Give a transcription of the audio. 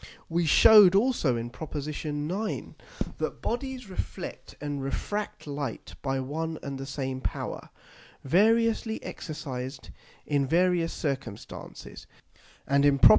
We shewed also in Prop. 9. that Bodies reflect and refract Light by one and the same power, variously exercised in various circumstances; and in _Prop.